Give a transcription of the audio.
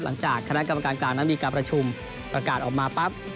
หลังจากคณะกรรมการกลางนั้นมีการประชุมประกาศออกมาปั๊บ